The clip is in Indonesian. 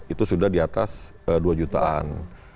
itu sudah di atas dua jutaan